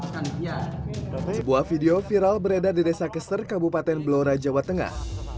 sebuah video viral beredar di desa keser kabupaten blora jawa tengah